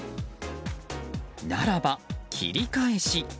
ならば、切り返し。